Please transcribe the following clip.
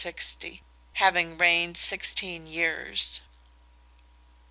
860), having reigned sixteen years.